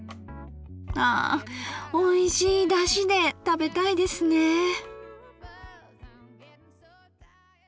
あおいしいだしで食べたいですねえ。